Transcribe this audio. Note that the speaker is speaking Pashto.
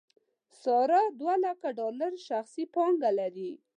ساره دولکه ډالر شخصي پانګه لري.